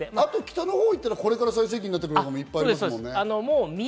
北の方に行ったら、これから最盛期になるところもいっぱいありますもんね。